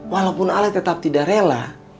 walaupun ale tetap tidak rela